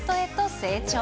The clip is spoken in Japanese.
成長。